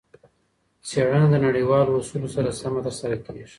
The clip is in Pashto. څېړنه د نړیوالو اصولو سره سمه ترسره کیږي.